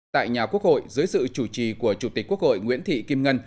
tại nhà quốc hội dưới sự chủ trì của chủ tịch quốc hội nguyễn thị kim ngân